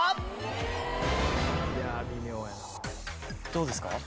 どうですか？